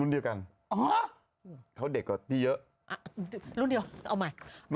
รุ่นเดียวกันอ๋อเขาเด็กกว่าพี่เยอะอ่ะรุ่นเดียวเอาใหม่อ๋ออ๋อ